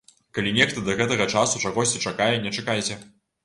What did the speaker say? Калі нехта да гэтага часу чагосьці чакае, не чакайце.